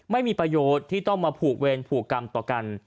ไม่มีประโยชน์ที่ต้องมาผูกเวรผูกกรรมต่อกัน